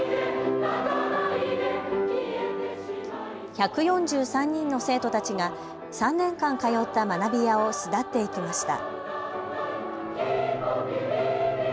１４３人の生徒たちが３年間通った学びやを巣立って行きました。